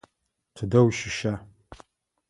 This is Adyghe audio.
Тыдэ ущыща?